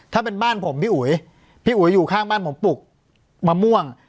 ถ้าเป็นบ้านผมพี่อุ๋ยพี่อุ๋ยอยู่ข้างบ้านผมปลูกมะม่วง